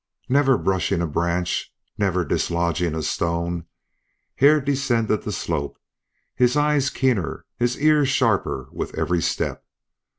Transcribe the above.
Never brushing a branch, never dislodging a stone, Hare descended the slope, his eyes keener, his ears sharper with every step.